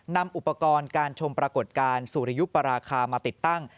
นำอุปกรณ์การชมปรากฏการณ์สุริยุปราคามาติดตั้ง